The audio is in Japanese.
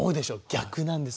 逆なんです。